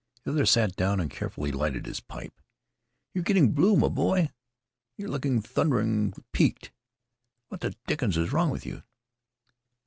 The other sat down and carefully lighted his pipe. "You're getting blue, my boy. You're looking thundering peeked. What the dickens is wrong with you?"